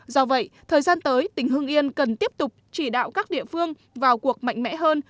do vậy thời gian tới tỉnh hưng yên cần tiếp tục chỉ đạo các địa phương vào cuộc mạnh mẽ hơn